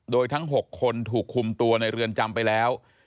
โดยทั้ง๖คนถูกคุมตัวในเรือนจำไปแล้ว